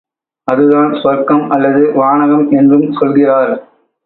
அதுதான் சுவர்க்கம் அல்லது வானகம் என்றும் சொல்கிறார்.